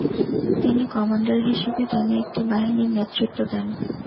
তিনি কমান্ডার হিসেবে তিনি একটি বাহিনীর নেতৃত্ব দেন।